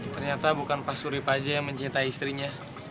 ternyata bukan pak surip aja yang mencintai istrinya